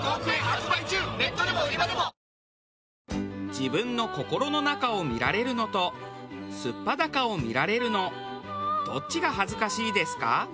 自分の心の中を見られるのと素っ裸を見られるのどっちが恥ずかしいですか？